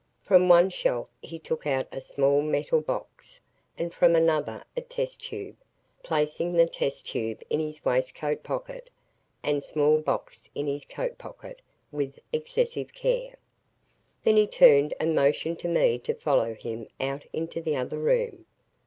From one shelf he took out a small metal box and from another a test tube, placing the test tube in his waistcoat pocket, and the small box in his coatpocket, with excessive care. Then he turned and motioned to me to follow him out into the other room.